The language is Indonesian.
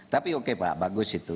tapi oke pak bagus itu